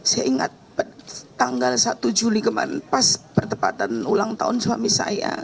saya ingat tanggal satu juli kemarin pas pertempatan ulang tahun suami saya